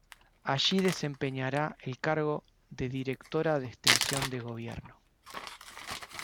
Allí desempeñará el cargo de Directora de extensión de Gobierno.